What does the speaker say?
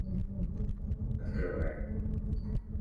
Открываю